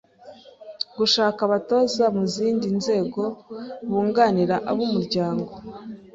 Gushaka abatoza mu zindi nzego bunganira ab’umuryango